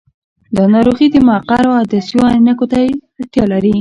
دا ناروغي د مقعرو عدسیو عینکو ته اړتیا لري.